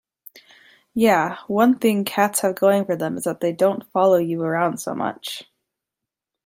Yeah, one thing cats have going for them is that they don't follow you around so much.